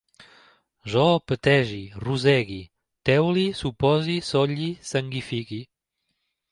Jo petege, rosegue, teule, supose, solle, sanguifique